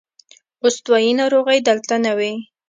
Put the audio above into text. استوايي ناروغۍ دلته نه وې.